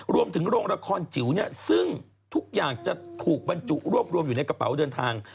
โรงละครจิ๋วเนี่ยซึ่งทุกอย่างจะถูกบรรจุรวบรวมอยู่ในกระเป๋าเดินทาง